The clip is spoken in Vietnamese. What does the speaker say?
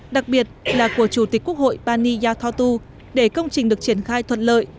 đặc biệt là của chủ tịch quốc hội pani yathotu để công trình được triển khai thuận lợi